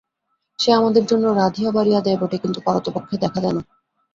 সে আমাদের জন্য রাঁধিয়া-বাড়িয়া দেয় বটে, কিন্তু পারতপক্ষে দেখা দেয় না।